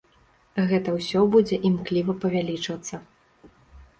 Гэта ўсё будзе імкліва павялічвацца.